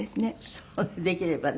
そうできればね。